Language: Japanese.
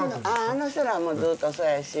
あの人らもずっとそやし。